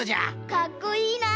かっこいいな！